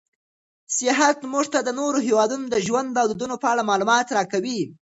سیاحت موږ ته د نورو هېوادونو د ژوند او دودونو په اړه معلومات راکوي.